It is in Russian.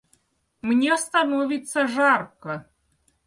Мне становится жарко.